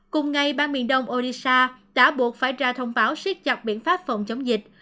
cùng ngày bang miền đông odisha đã buộc phải ra thông báo siết chọc biện pháp phòng chống dịch